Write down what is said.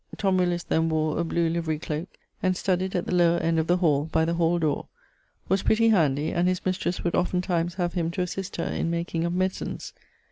Tom Willis then wore a blew livery cloak, and studied at the lower end of the hall, by the hall dore; was pretty handy, and his mistresse would oftentimes have him to assist her in making of medicines.